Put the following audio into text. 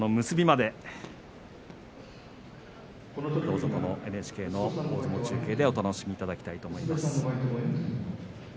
結びまでＮＨＫの大相撲中継でお楽しみいただきたいと思います。